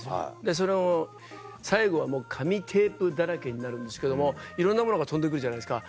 その最後は紙テープだらけになるんですけどもいろんなものが飛んで来るじゃないですか。